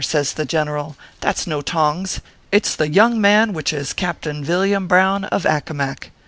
says the general, "that s no tongs. It s the young man which is Captain Villiam Brown, of Accomac.